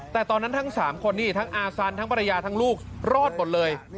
แต่ตอนนั้นทั้ง๓คนนี่ทั้งอาสันทั้งภรรยาทั้งลูกรอดหมดเลย